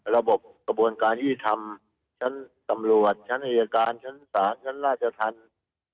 ระบบกระบวนการยุติธรรมชั้นตำรวจชั้นอายการชั้นศาลชั้นราชธรรม